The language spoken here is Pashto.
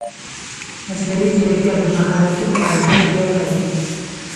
مصنوعي ځیرکتیا د مهارتونو ارزښت بیا ټاکي.